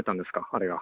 あれが。